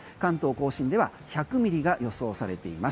甲信では１００ミリが予想されています。